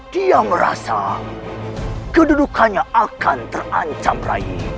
dia merasa kedudukannya akan terancam rayu